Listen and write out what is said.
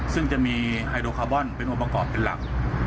ซึ่งจะมีไฮโดคาร์บอนเป็นองค์ประกอบเป็นหลัก